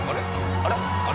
あれ？